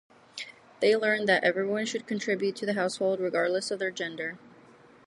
They learn that everyone should contribute to the household, regardless of their gender.